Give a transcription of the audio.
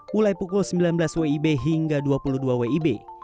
mulai pukul sembilan belas wib hingga dua puluh dua wib